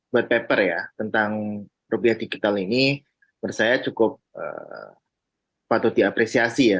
bud paper ya tentang rupiah digital ini menurut saya cukup patut diapresiasi ya